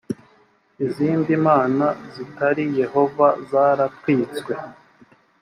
izindi mana zitari yehova zaratwitswe